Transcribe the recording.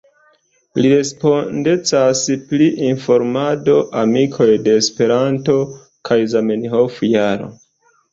Li respondecas pri informado, Amikoj de Esperanto kaj Zamenhof-Jaro.